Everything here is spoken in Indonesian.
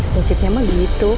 musimnya mah gitu